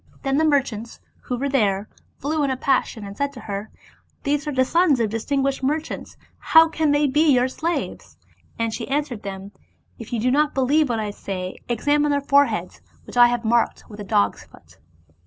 Then the merchants, who were there, flew in a passion, and said to her, " These are the sons of distinguished merchants, how then can they be your slaves? " Then she answered them, "If you do not believe what I say, examine their foreheads which I marked with a dog's foot."